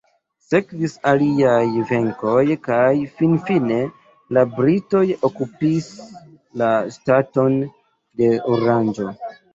Sekvis aliaj venkoj kaj finfine la britoj okupis la ŝtaton de Oranĝo.